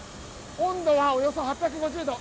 温度はおよそ８５０度。